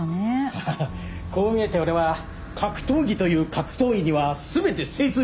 アハハこう見えて俺は格闘技という格闘技には全て精通しているからね。